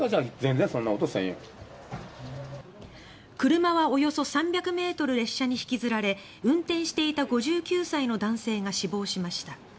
車はおよそ３００ｍ列車に引きずられ運転していた５９歳の男性が死亡しました。